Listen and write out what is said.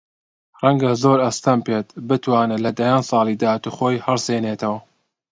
ڕەنگە زۆر ئەستەم بێت بتوانێت لە دەیان ساڵی داهاتوو خۆی هەڵسێنێتەوە